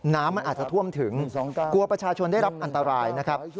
น้ำมันอาจจะท่วมถึงกลัวประชาชนได้รับอันตรายนะครับ